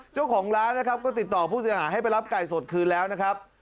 เจ้าของร้านนะครับก็ติดต่อผู้เสียหายให้ไปรับไก่สดคืนแล้วนะครับ